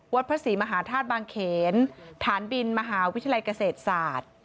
พระศรีมหาธาตุบางเขนฐานบินมหาวิทยาลัยเกษตรศาสตร์